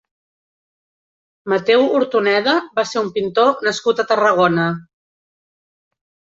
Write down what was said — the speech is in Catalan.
Mateu Hortoneda va ser un pintor nascut a Tarragona.